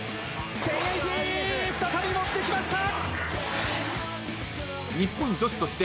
再び持ってきました。